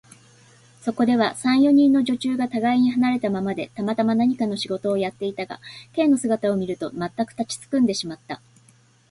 そこでは、三、四人の女中がたがいに離れたままで、たまたま何かの仕事をやっていたが、Ｋ の姿を見ると、まったく立ちすくんでしまった。